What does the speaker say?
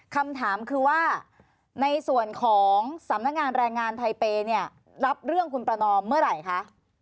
คำถามคือว่าในส่วนของสำนักงานแรงงานไทเปย์เนี่ยรับเรื่องคุณประนอมเมื่อไหร่คะ